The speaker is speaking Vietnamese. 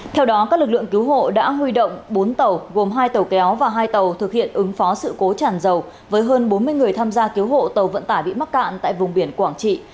theo đó các lực lượng cứu hộ đã huy động bốn tàu gồm hai tàu kéo và hai tàu thực hiện ứng phó sự cố chản dầu với hơn bốn mươi người tham gia cứu hộ tàu vận tải bị mắc cạn tại vùng biển quảng trị